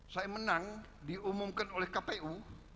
saya menang diumumkan oleh kpu